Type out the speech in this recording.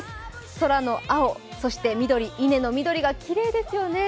空の青、そして緑がきれいですよね